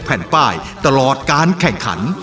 แผ่นป้ายตลอดการแข่งขัน